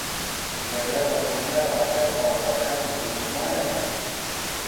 جګړه د هنر، ادب او فرهنګ دښمنه ده